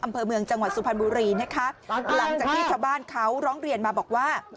อำเภอเมืองจังหวัดสุพรรณบุรีนะคะหลังจากที่ชาวบ้านเขาร้องเรียนมาบอกว่า